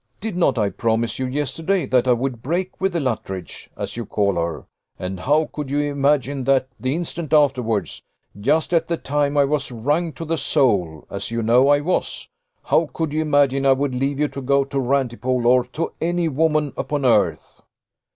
Did not I promise you yesterday, that I would break with the Luttridge, as you call her? and how could you imagine that the instant afterwards, just at the time I was wrung to the soul, as you know I was how could you imagine I would leave you to go to Rantipole, or to any woman upon earth?"